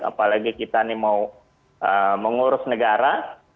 apalagi kita ini mau mengurus negara